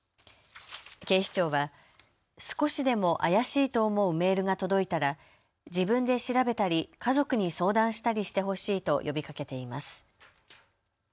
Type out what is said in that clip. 警視庁は少しでも怪しいと思うメールが届いたら自分で調べたり家族に相談したりしてほしいと呼びかけています。